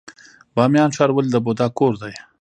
بامیان ښار ولې د بودا کور دی؟